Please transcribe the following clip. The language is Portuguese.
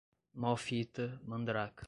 mó fita, mandraka